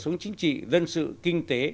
sống chính trị dân sự kinh tế